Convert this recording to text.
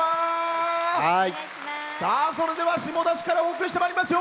それでは、下田市からお送りしてまいりますよ。